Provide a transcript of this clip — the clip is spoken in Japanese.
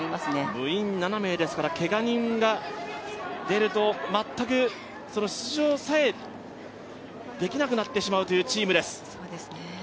部員７名ですから、けが人が出ると全く出場さえできなくなってしまうというチームです。